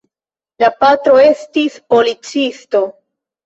La patro estis policisto.